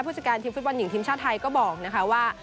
จัดการทีมฟุตบอลหญิงทีมชาติไทยก็บอกนะคะว่า